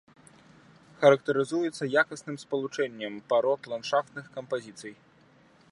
Характарызуецца якасным спалучэннем парод ландшафтных кампазіцый.